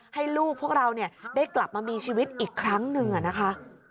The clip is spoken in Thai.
ให้ลูกพวกเราได้กลับมามีชีวิตอีกครั้งหนึ่งนะคะ